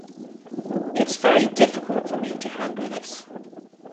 It's very difficult for me to handle this.